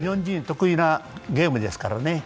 日本人得意なゲームですからね